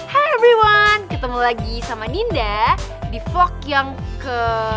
hi everyone ketemu lagi sama dinda di vlog yang ke